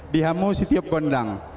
di hamu setiap gondang